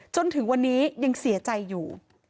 จนถึงวันนี้ยังเสียใจอยู่